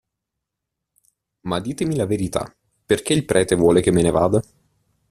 Ma ditemi la verità, perché il prete vuole che me ne vada?